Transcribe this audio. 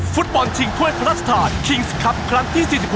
ฟุตบอลชิงถ้วยพระราชทานคิงส์ครับครั้งที่๔๑